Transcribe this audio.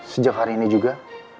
sejak hari ini juga